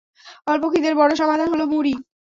অল্প খিদের বড় সমাধান হলো মুড়ি।